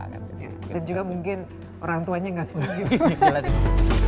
dan juga mungkin orang tuanya gak suka gitu